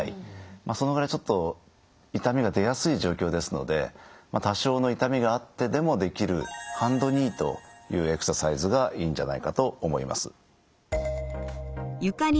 まあそのぐらいちょっと痛みが出やすい状況ですので多少の痛みがあってでもできるハンドニーというエクササイズがいいんじゃないかと思います。